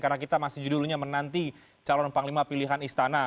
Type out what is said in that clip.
karena kita masih judulnya menanti calon panglima pilihan istana